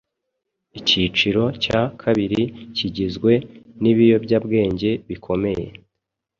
Icyiciro cya kabiri kigizwe n’ibiyobyabwenge bikomeye